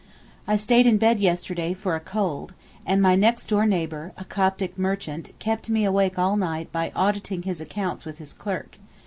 I stayed in bed yesterday for a cold, and my next door neighbour, a Coptic merchant, kept me awake all night by auditing his accounts with his clerk.